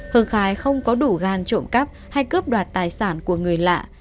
hưng khai không có đủ gan trộm cắp hay cướp đoạt tài sản của người lạ